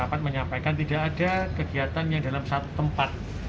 dapat menyampaikan tidak ada kegiatan yang dalam satu tempat